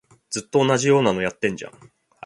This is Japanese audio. ずっと同じようなのやってんじゃん